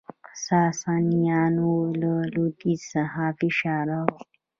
ساسانیانو له لویدیځ څخه فشار راوړ